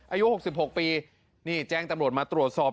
อายุ๖๖ปีนี่แจ้งตำรวจมาตรวจสอบ